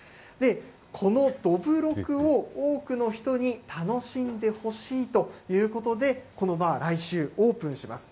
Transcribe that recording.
このどぶろくを多くの人に楽しんでほしいということで、このバー、来週オープンします。